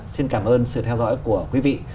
xin cảm ơn sự theo dõi của quý vị